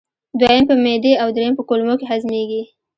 دویم په معدې او دریم په کولمو کې هضمېږي.